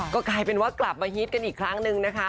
ก็กลายเป็นว่ากลับมาฮิตกันอีกครั้งนึงนะคะ